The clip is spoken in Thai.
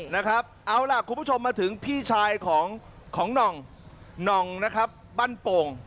นะครับเอาล่ะคุณผู้ชมมาถึงพี่ชายของหน่องหน่องนะครับบ้านโป่ง